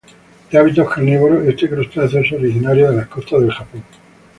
De hábitos carnívoros, este crustáceo es originario de las costas del Japón.